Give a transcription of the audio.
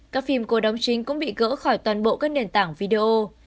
các phim cô đóng chính cũng bị gỡ khỏi toàn bộ các nền tảng video